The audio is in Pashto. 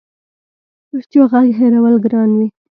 د چا غږ هېرول ګران وي